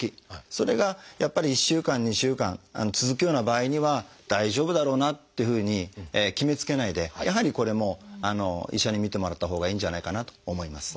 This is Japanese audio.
それがやっぱり１週間２週間続くような場合には大丈夫だろうなっていうふうに決めつけないでやはりこれも医者に診てもらったほうがいいんじゃないかなと思います。